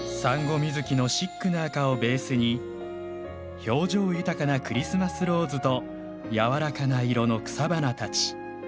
ミズキのシックな赤をベースに表情豊かなクリスマスローズとやわらかな色の草花たち。